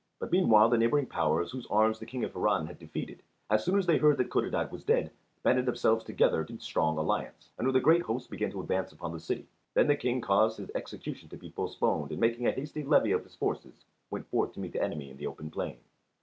But meanwhile the neighbouring powers, whose arms the King of Harran had defeated, as soon as they heard that Codadad was dead, banded themselves together in strong alliance, and with a great host began to advance upon the city. Then the King caused the execution to be postponed, and making a hasty levy of his forces went forth to meet the enemy in the open plain.